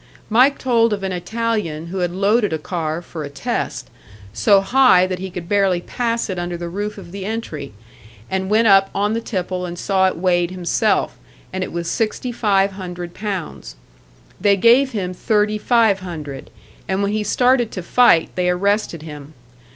Mike told of an Italian who had loaded a car for a test, so high that he could barely pass it under the roof of the entry, and went up on the tipple and saw it weighed himself, and it was sixty five hundred pounds. They gave him thirty five hundred, and when he started to fight, they arrested him.